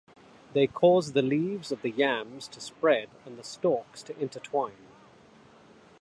They cause the leaves of the yams to spread and the stalks to intertwine.